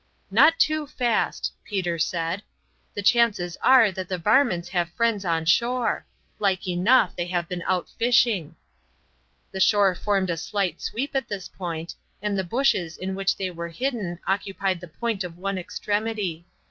"Not too fast," Peter said. "The chances are that the varmints have friends on shore. Like enough they have been out fishing." The shore formed a slight sweep at this point, and the bushes in which they were hidden occupied the point at one extremity.